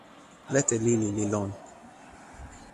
lete lili li lon.